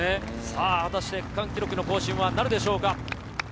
さあ、果たして、区間記録の更新はなるでしょうか。